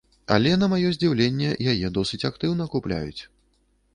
Але, на маё здзіўленне, яе досыць актыўна купляюць.